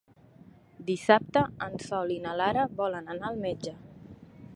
Dissabte en Sol i na Lara volen anar al metge.